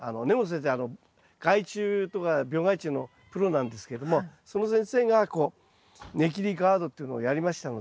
害虫とか病害虫のプロなんですけれどもその先生がこうネキリガードっていうのをやりましたので。